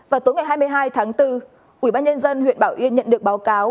vào tối ngày hai mươi hai tháng bốn ubnd huyện bảo yên nhận được báo cáo